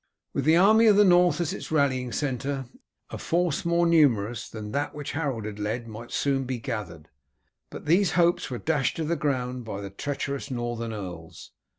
With the army of the North as a rallying centre a force more numerous than that which Harold had led might soon be gathered. But these hopes were dashed to the ground by the treacherous Northern earls.